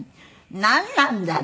なんなんだって。